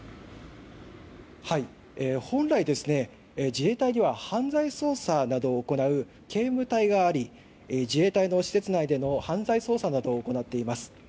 本来、自衛隊には犯罪捜査などを行う警務隊があり自衛隊の施設内での犯罪捜査などを行っています。